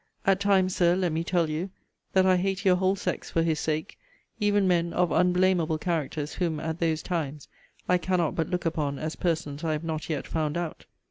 At times, Sir, let me tell you, that I hate your whole sex for his sake; even men of unblamable characters, whom, at those times, I cannot but look upon as persons I have not yet found out.